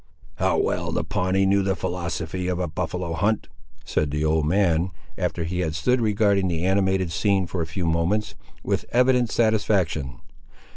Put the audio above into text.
"How well the Pawnee knew the philosophy of a buffaloe hunt!" said the old man, after he had stood regarding the animated scene for a few moments, with evident satisfaction.